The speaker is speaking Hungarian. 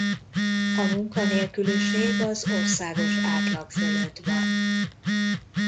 A munkanélküliség az országos átlag fölött van.